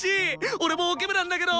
俺もオケ部なんだけど！